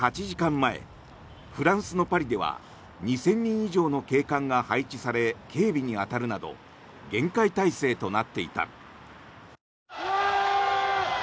前フランスのパリでは２０００人以上の警官が配置され警備に当たるなど厳戒態勢となっていた。